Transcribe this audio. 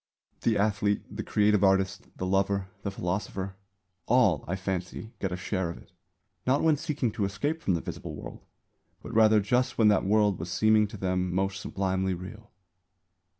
The athlete, the creative artist, the lover, the philosopher all, I fancy, get a share of it, not when seeking to escape from the visible world; but rather just when that world was seeming to them most sublimely real.